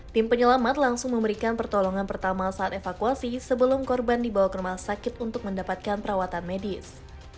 tim penyelamat langsung memberikan pertolongan pertama saat evakuasi sebelum korban dibawa ke rumah sakit untuk mendapatkan perawatan medis